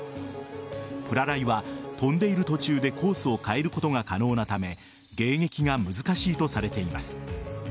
プラライは飛んでいる途中でコースを変えることが可能なため迎撃が難しいとされています。